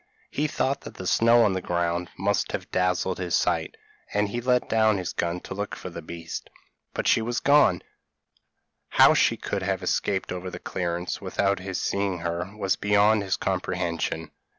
He thought that the snow on the ground must have dazzled his sight, and he let down his gun to look for the beast but she was gone; how she could have escaped over the clearance, without his seeing her, was beyond his comprehension.